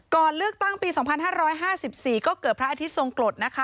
ก่อนเลือกตั้งปี๒๕๕๔ก็เกิดพระอาทิตย์ทรงกฎนะคะ